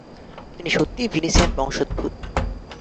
তিনি সত্যই ভিনিসিয়ান বংশোদ্ভূত।